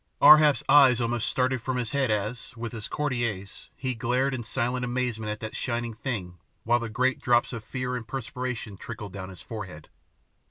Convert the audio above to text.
Ar hap's eyes almost started from his head as, with his courtiers, he glared in silent amazement at that shining thing while the great drops of fear and perspiration trickled down his forehead.